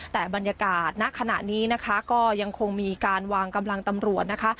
แต่บรรยากาศณขณะนี้นะคะก็ยังคงมีการวางกำลังตำรวจนะคะ